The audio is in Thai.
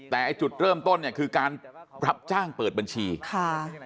แต่ไอ้จุดเริ่มต้นเนี่ยคือการรับจ้างเปิดบัญชีค่ะ